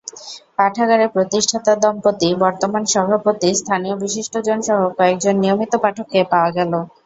পাঠাগারে প্রতিষ্ঠাতা দম্পতি, বর্তমান সভাপতি, স্থানীয় বিশিষ্টজনসহ কয়েকজন নিয়মিত পাঠককে পাওয়া গেল।